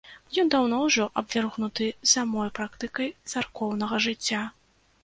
Ён даўно ўжо абвергнуты самой практыкай царкоўнага жыцця.